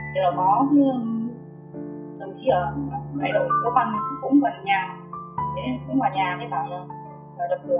sẽ đến ngoài nhà mới bảo là đập đùa